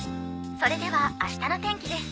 ・それではあしたの天気です。